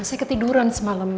saya ketiduran semalam